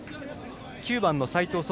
９番の齋藤颯